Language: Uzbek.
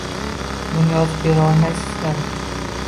Buni yozib bera olmaysizmi?